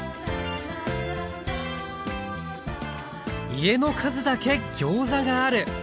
家の数だけギョーザがある。